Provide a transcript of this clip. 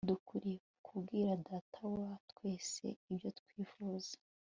Dukwiriye kubwira Data wa twese ibyo twifuza